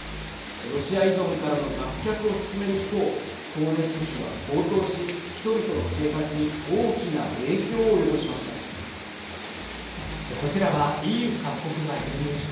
ロシア依存からの脱却を進める一方光熱費は高騰し人々の生活に大きな影響を及ぼしました。